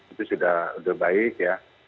itu sudah baik ya